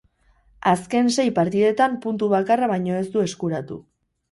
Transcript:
Azken sei partidetan puntu bakarra baino ez du eskuratu.